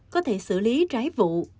có thể xử lý trái vụ